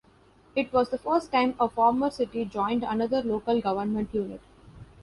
It was the first time a former city joined another local government unit.